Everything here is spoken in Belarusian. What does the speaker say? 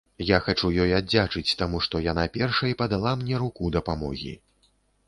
Я хачу ёй аддзячыць, таму што яна першай падала мне руку дапамогі.